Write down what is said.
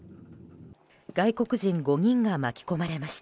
外国人５人が巻き込まれました。